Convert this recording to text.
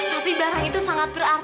tapi barang itu sangat berangsur